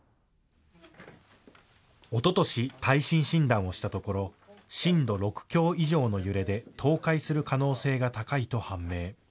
おととし耐震診断をしたところ震度６強以上の揺れで倒壊する可能性が高いと判明。